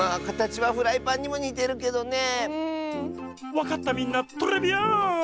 わかったみんなトレビアーン！